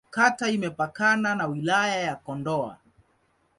Kata imepakana na Wilaya ya Kondoa.